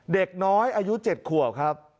เด็กน้อยอายุ๗ขวบครับ